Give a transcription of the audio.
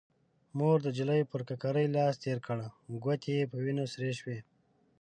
مور د نجلۍ پر ککرۍ لاس تير کړ، ګوتې يې په وينو سرې شوې.